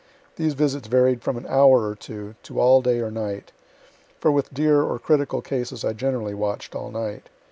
These visits varied from an hour or two, to all day or night; for with dear or critical cases I generally watch'd all night.